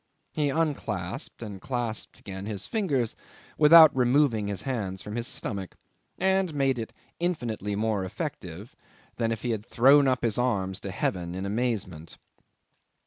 ... He unclasped and clasped again his fingers without removing his hands from his stomach, and made it infinitely more effective than if he had thrown up his arms to heaven in amazement.